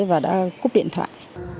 và đã cúp điện thoại